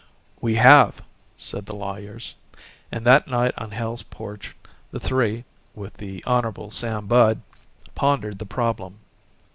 "We have," said the lawyers, and that night on Hale's porch, the three, with the Hon. Sam Budd, pondered the problem.